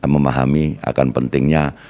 memahami akan pentingnya